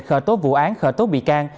khởi tố vụ án khởi tố bị can